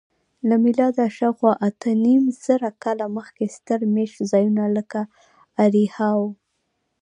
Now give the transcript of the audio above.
له میلاده شاوخوا اتهنیمزره کاله مخکې ستر میشت ځایونه لکه اریحا وو.